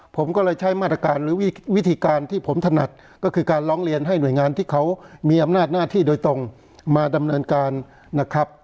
ผมก็เลยใช้มาตรการหรือวิธีการที่ผมถนัดก็คือการร้องเรียนให้หน่วยงานที่เขามีอำนาจหน้าที่โดยตรงมาดำเนินการนะครับ